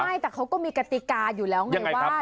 ใช่แต่เขาก็มีกติกาอยู่แล้วไงว่า